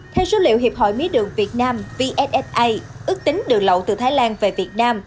theo số liệu hiệp hội mía đường việt nam vsa ước tính đường lậu từ thái lan về việt nam